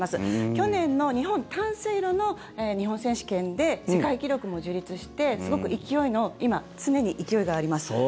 去年の日本短水路の日本選手権で世界記録も樹立してすごく勢いの今、常に勢いがあります。